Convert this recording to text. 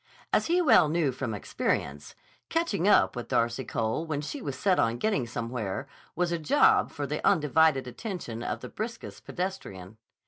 As he well knew from experience, catching up with Darcy Cole when she was set on getting somewhere was a job for the undivided attention of the briskest pedestrian.